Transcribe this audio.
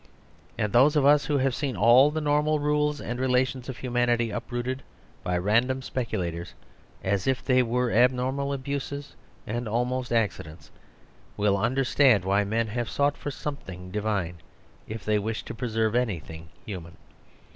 And those of us who have seen all the normal rules and relations of hu manity uprooted by random speculators, as if they were abnormal abuses and almost acci dents, will understand why men have sought for something divine if they wished to pre serve anything human.